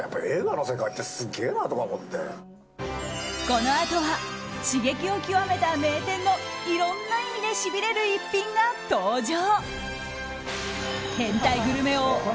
このあとは刺激を極めた名店のいろんな意味でしびれる逸品が登場。